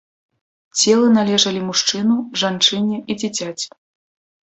Целы належалі мужчыну, жанчыне і дзіцяці.